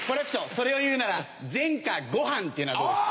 それを言うなら前科ゴハンっていうのどうですか？